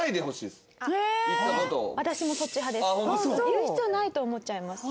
言う必要ないと思っちゃいます。